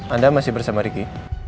anda masih bersama riki